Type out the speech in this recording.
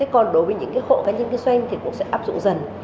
còn đối với những hộ cá nhân kinh doanh thì cũng sẽ áp dụng dần